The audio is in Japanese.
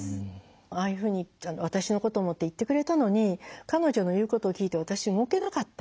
ああいうふうに私のことを思って言ってくれたのに彼女の言うことを聞いて私動けなかった。